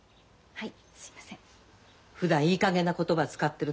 はい。